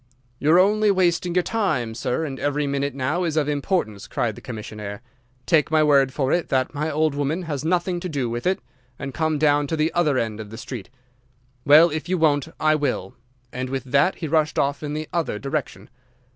"'You're only wasting your time, sir, and every minute now is of importance,' cried the commissionnaire; 'take my word for it that my old woman has nothing to do with it, and come down to the other end of the street. Well, if you won't, I will.' And with that he rushed off in the other direction.